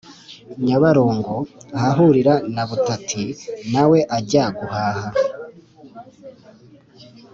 Nyabarongo, ahahurira na Butati na we ajya guhaha.